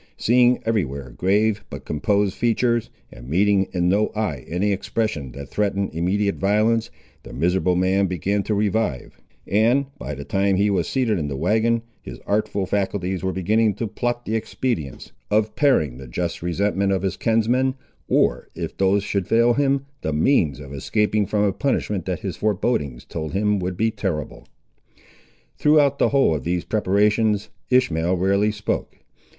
Seeing every where grave but composed features, and meeting in no eye any expression that threatened immediate violence, the miserable man began to revive; and, by the time he was seated in the wagon, his artful faculties were beginning to plot the expedients of parrying the just resentment of his kinsmen, or, if these should fail him, the means of escaping from a punishment that his forebodings told him would be terrible. Throughout the whole of these preparations Ishmael rarely spoke.